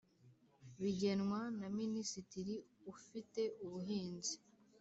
bigenwa na Minisitiri ufite ubuhinzi